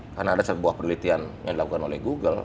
karena ada sebuah penelitian yang dilakukan oleh google